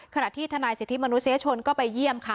ขณะที่ทนายเศรษฐีมนุเซชนก็ไปเยี่ยมค่ะ